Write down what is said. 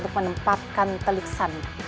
kamu bisa terkendali dengan aku